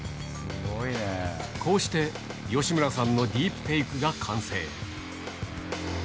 こうして吉村さんのディープフェイクが完成。